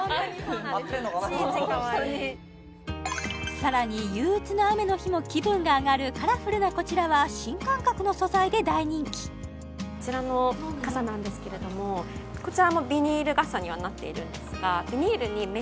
さらに憂うつな雨の日も気分が上がるカラフルなこちらは新感覚の素材で大人気こちらの傘なんですけれどもうわかわいい何だこれ！？